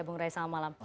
bung rai selamat malam